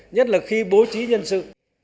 nhất là khi bố trí nhân sự